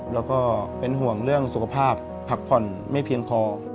แล้วก็เป็นห่วงเรื่องสุขภาพพักผ่อนไม่เพียงพอ